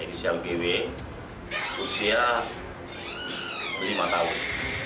usia lima tahun